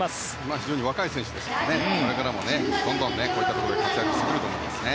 非常に若い選手ですからこれからもどんどんこういったところで活躍してくるでしょうね。